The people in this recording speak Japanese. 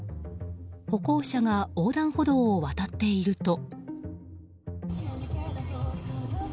歩行者が横断歩道を渡っていると。